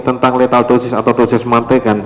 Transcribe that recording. tentang letal dosis atau dosis mantekan